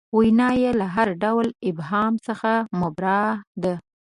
وینا یې له هر ډول ابهام څخه مبرا ده.